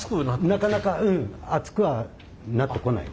なかなか熱くはなってこない。